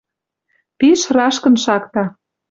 Пиш рашкын шакта.